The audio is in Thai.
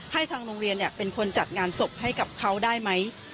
ทางโรงเรียนเป็นคนจัดงานศพให้กับเขาได้ไหม